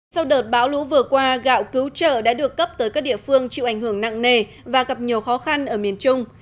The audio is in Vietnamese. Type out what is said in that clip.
sau đợt bão lũ vừa qua gạo cứu trợ đã được cấp tới các địa phương chịu ảnh hưởng nặng nề và gặp nhiều khó khăn ở miền trung